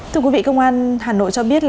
thưa quý vị công an hà nội cho biết